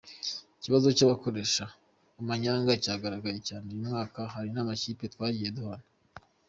Ikibazo cy’abakoresha amanyanga cyaragaragaye cyane uyu mwaka hari n’amakipe twagiye duhana.